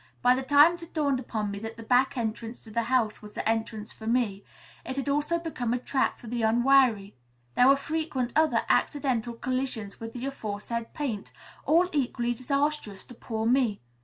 By the time it had dawned upon me that the back entrance to the house was the entrance for me, it had also become a trap for the unwary. There were frequent other accidental collisions with the aforesaid paint, all equally disastrous to poor me.